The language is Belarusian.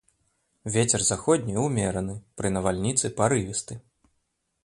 Вецер заходні ўмераны, пры навальніцы парывісты.